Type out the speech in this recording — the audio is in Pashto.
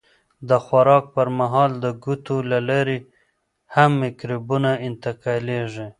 د خوراک پر مهال د ګوتو له لارې هم مکروبونه انتقالېږي.